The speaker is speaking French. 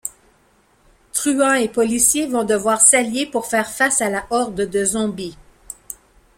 Truands et policiers vont devoir s'allier pour faire face à la horde de zombies.